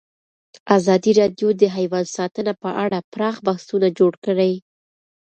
ازادي راډیو د حیوان ساتنه په اړه پراخ بحثونه جوړ کړي.